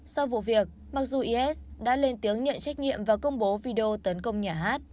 sau vụ việc mặc dù is đã lên tiếng nhận trách nhiệm và công bố video tấn công nhà hát